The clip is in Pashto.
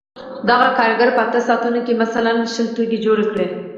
دغه کارګر په اته ساعتونو کې مثلاً شل توکي جوړ کړي